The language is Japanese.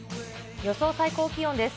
予想最高気温です。